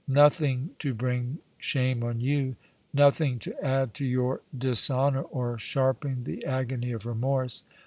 Nothing to bring shame on you. Nothing to add to your dishonour or sharpen the agony of remorse.